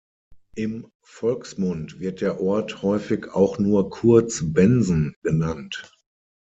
Im Volksmund wird der Ort häufig auch nur kurz "Bensen" genannt.